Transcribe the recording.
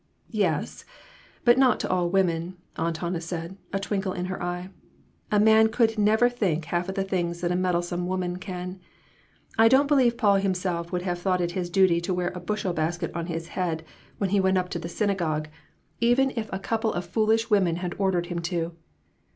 "Yes, but not to all women," Aunt Hannah said, a twinkle in her eye ;" a man could never think of half the things that a meddlesome woman can. I don't believe Paul himself would have thought it his duty to wear a bushel basket on his head when he went up to the synagogue, 124 RECONCILIATIONS. even if a couple of foolish women had ordered him to.